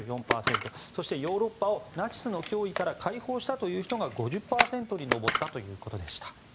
そしてヨーロッパをナチスの脅威から解放したという人が５０％に上ったということでした。